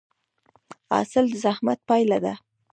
حاصل د زحمت پایله ده؟